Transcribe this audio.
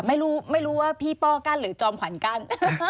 ไม่รู้ว่าพี่ป้อกั้นหรือจอมขวัญกั้น